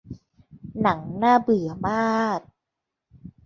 หนังน่าเบื่อมาก